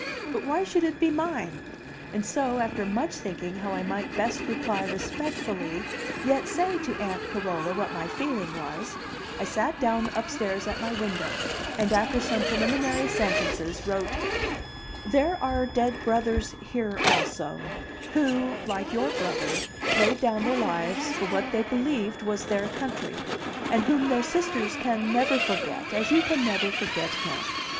But why should it be mine? And so, after much thinking how I might best reply respectfully yet say to Aunt Carola what my feeling was, I sat down upstairs at my window, and, after some preliminary sentences, wrote: "There are dead brothers here also, who, like your brother, laid down their lives for what they believed was their country, and whom their sisters never can forget as you can never forget him.